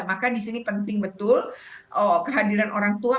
maka disini penting betul kehadiran orang tua